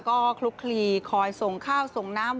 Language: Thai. ก็คลุกคลีคอยส่งข้าวส่งน้ำ